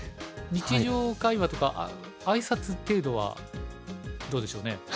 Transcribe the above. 日常会話とか挨拶程度はどうでしょうね？